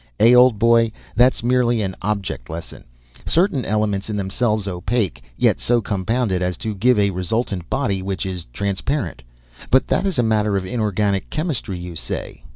"Eh, old boy! That's merely an object lesson—certain elements, in themselves opaque, yet so compounded as to give a resultant body which is transparent. But that is a matter of inorganic chemistry, you say.